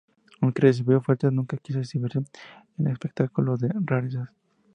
Aunque recibió ofertas, nunca quiso exhibirse en espectáculos de rarezas.